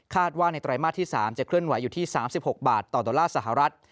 ว่าในไตรมาสที่๓จะเคลื่อนไหวอยู่ที่๓๖บาทต่อดอลลาร์สหรัฐ